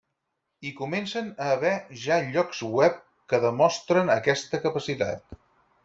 Hi comencen a haver ja llocs web que demostren aquesta capacitat.